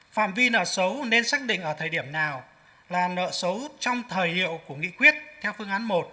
phạm vi nợ xấu nên xác định ở thời điểm nào là nợ xấu trong thời hiệu của nghị quyết theo phương án một